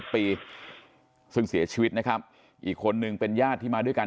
ซึ่งเสียชีวิตนะครับอีกคนนึงเป็นญาติที่มาด้วยกัน